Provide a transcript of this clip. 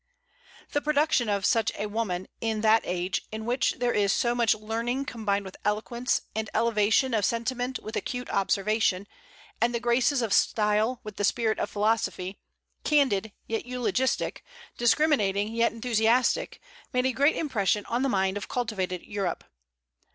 The production of such a woman, in that age, in which there is so much learning combined with eloquence, and elevation of sentiment with acute observation, and the graces of style with the spirit of philosophy, candid, yet eulogistic; discriminating, yet enthusiastic, made a great impression on the mind of cultivated Europe.